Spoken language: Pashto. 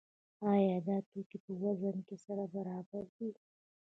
آیا دا توکي په وزن کې سره برابر دي؟